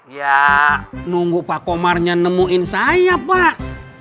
ya nunggu pak komarnya nemuin saya pak